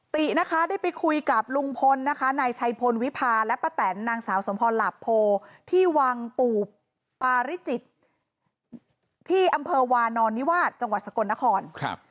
ตินะคะได้ไปคุยกับลุงพลนะคะนายชัยพลวิพาและป้าแตนนางสาวสมพรหลาโพที่วังปู่ปาริจิตที่อำเภอวานอนนิวาสจังหวัดสกลนคร